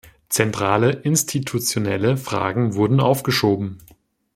Zentrale institutionelle Fragen wurden aufgeschoben.